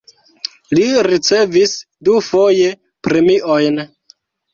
Li ricevis dufoje premiojn.